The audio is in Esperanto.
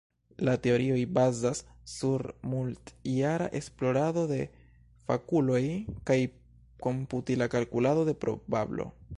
La teorioj bazas sur multjara esplorado de fakuloj kaj komputila kalkulado de probablo.